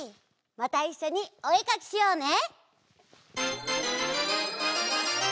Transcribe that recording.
またいっしょにおえかきしようね！